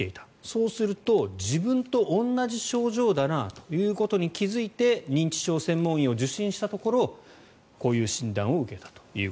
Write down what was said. そうすると、自分と同じ症状だなということに気付いて認知症専門医を受診したところこういう診断を受けたと。